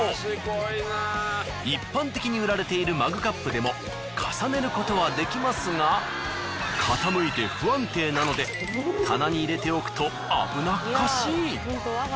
一般的に売られているマグカップでも重ねることはできますが傾いて不安定なので棚に入れておくと危なっかしい。